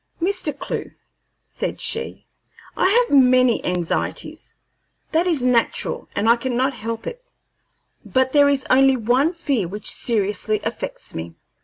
"Mr. Clewe," said she, "I have many anxieties; that is natural, and I cannot help it, but there is only one fear which seriously affects me."